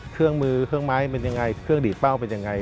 เครื่องมือเครื่องไม้เป็นยังไงเครื่องดีดเป้าเป็นยังไง